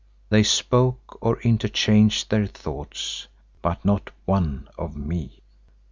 They spoke, or interchanged their thoughts, but not one of me.